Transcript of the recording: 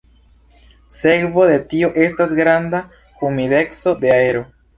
Sekvo de tio estas granda humideco de aero.